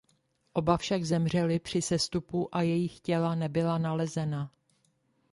Oba však zemřeli při sestupu a jejich těla nebyla nalezena.